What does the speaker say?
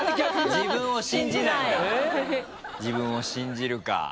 自分を信じない。